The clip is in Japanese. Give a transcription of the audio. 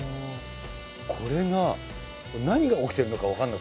これが何が起きてるのか分かんなくて。